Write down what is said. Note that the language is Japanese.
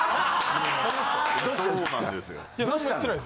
どうしたの！？